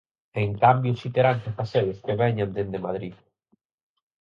En cambio si terán que facelo os que veñan dende Madrid.